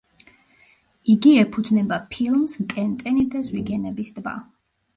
იგი ეფუძნება ფილმს „ტენტენი და ზვიგენების ტბა“.